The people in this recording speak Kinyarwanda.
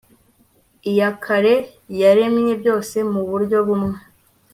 iyakare yaremye byose mu buryo bumwe